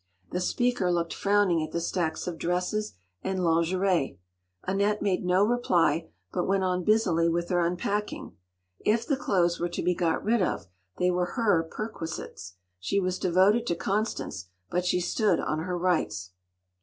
” The speaker looked frowning at the stacks of dresses and lingerie. Annette made no reply; but went on busily with her unpacking. If the clothes were to be got rid of, they were her perquisites. She was devoted to Constance, but she stood on her rights.